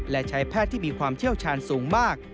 และใช้แพทย์ที่มีความเชี่ยวชาญสูงมาก